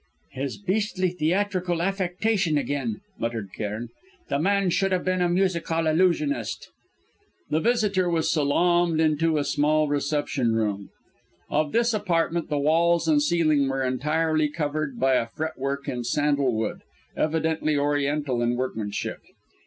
"His beastly theatrical affectation again!" muttered Cairn. "The man should have been a music hall illusionist!" The visitor was salaamed into a small reception room. Of this apartment the walls and ceiling were entirely covered by a fretwork in sandalwood, evidently Oriental in workmanship.